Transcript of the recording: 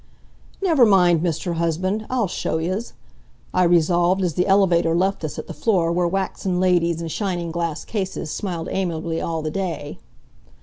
"Never mind, Mr. Husband, I'll show yez!" I resolved as the elevator left us at the floor where waxen ladies in shining glass cases smiled amiably all the day.